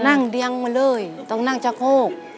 นั่งเดียงมาเลยต้องนั่งชักโฆ